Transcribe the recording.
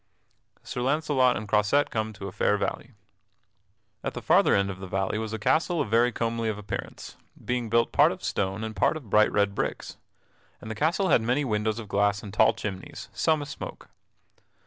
[Sidenote: Sir Launcelot and Croisette come to a fair valley] At the farther end of the valley was a castle of very comely of appearance, being built part of stone and part of bright red bricks; and the castle had many windows of glass and tall chimneys, some a smoke.